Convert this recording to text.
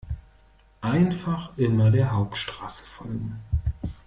Einfach immer der Hauptstraße folgen.